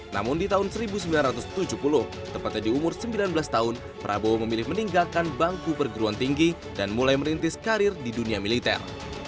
namun di tahun seribu sembilan ratus tujuh puluh tepatnya di umur sembilan belas tahun prabowo memilih meninggalkan bangku perguruan tinggi dan mulai merintis karir di dunia militer